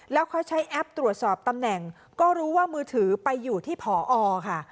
แล้วเขาใช้แอปตรวจสอบตำแหน่งก็รู้ว่ามือถือไปอยู่ที่ผอค่ะ